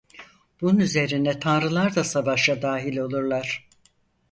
Bunun üzerine tanrılar da savaşa dahil olurlar.